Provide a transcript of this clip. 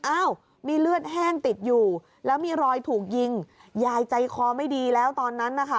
อ้าวมีเลือดแห้งติดอยู่แล้วมีรอยถูกยิงยายใจคอไม่ดีแล้วตอนนั้นนะคะ